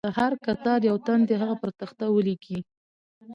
له هر کتار یو تن دې هغه پر تخته ولیکي.